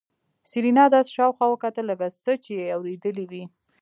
سېرېنا داسې شاوخوا وکتل لکه څه چې يې اورېدلي وي.